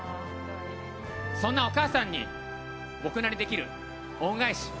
そんなお母さんに僕なりにできる恩返し